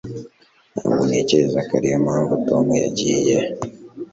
Ntabwo ntekereza ko ariyo mpamvu Tom yagiye